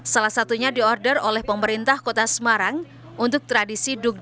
salah satunya diorder oleh pemerintah kota semarang untuk tradisi dukung